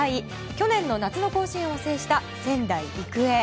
去年の夏の甲子園を制した仙台育英。